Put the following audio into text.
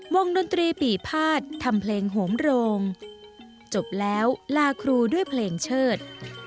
ดนตรีปีภาษทำเพลงโหมโรงจบแล้วลาครูด้วยเพลงเชิด